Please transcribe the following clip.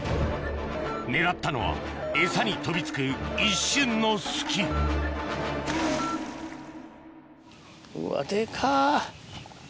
狙ったのはエサに飛び付く一瞬の隙うわデカ。